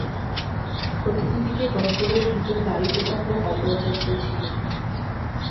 প্রথমদিকে গহ্বরের ভেতর বায়ু প্রবাহ অপর্যাপ্ত ছিল।